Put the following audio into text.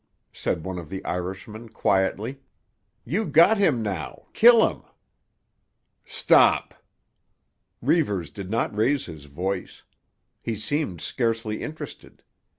said one of the Irishmen quietly. "You got him now; kill him." "Stop." Reivers did not raise his voice. He seemed scarcely interested.